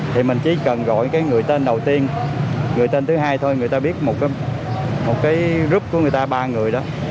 thì mình chỉ cần gọi cái người tên đầu tiên gửi tên thứ hai thôi người ta biết một cái group của người ta ba người đó